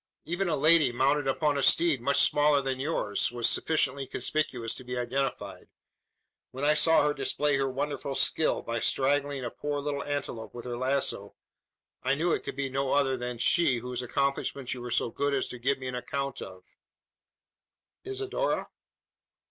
Even a lady, mounted upon a steed much smaller than yours, was sufficiently conspicuous to be identified. When I saw her display her wonderful skill, by strangling a poor little antelope with her lazo, I knew it could be no other than she whose accomplishments you were so good as to give me an account of." "Isidora?"